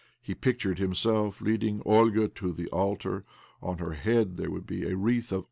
He pictured himself leading Olga to the altar. On her head there would be a wreath of ' Ells.